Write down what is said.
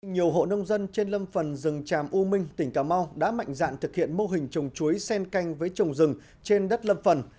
nhiều hộ nông dân trên lâm phần rừng tràm u minh tỉnh cà mau đã mạnh dạn thực hiện mô hình trồng chuối sen canh với trồng rừng trên đất lâm phần